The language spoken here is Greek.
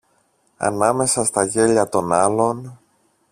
Ανάμεσα στα γέλια των άλλων